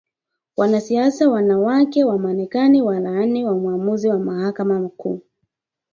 Wanasiasa wanawake wa Marekani walaani uamuzi wa Mahakama Kuu